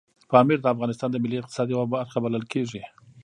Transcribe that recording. پامیر د افغانستان د ملي اقتصاد یوه برخه بلل کېږي.